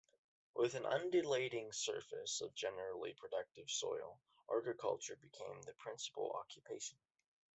With an undulating surface of generally productive soil, agriculture became the principal occupation.